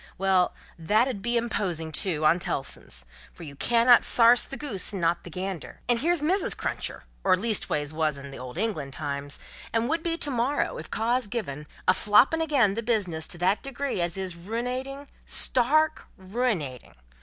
Well, that 'ud be imposing, too, on Tellson's. For you cannot sarse the goose and not the gander. And here's Mrs. Cruncher, or leastways wos in the Old England times, and would be to morrow, if cause given, a floppin' again the business to that degree as is ruinating stark ruinating!